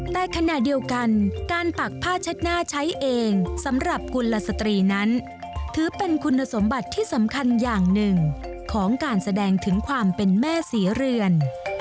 แต่ขณะเดียวกันการปักผ้าเช็ดหน้าใช้เองสำหรับกุลสตรีนั้นถือเป็นคุณสมบัติที่สำคัญอย่างหนึ่งของการแสดงถึงความเป็นแม่ศรีเรือน